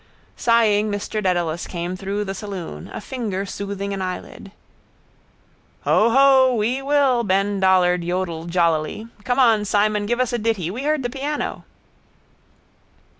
Sighing Mr Dedalus came through the saloon, a finger soothing an eyelid. —Hoho, we will, Ben Dollard yodled jollily. Come on, Simon. Give us a ditty. We heard the piano.